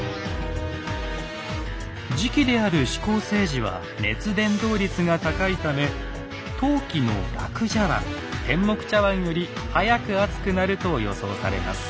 磁器である珠光青磁は熱伝導率が高いため陶器の樂茶碗天目茶碗より早く熱くなると予想されます。